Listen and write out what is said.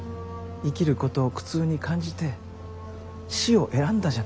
生きることを苦痛に感じて死を選んだじゃないですか。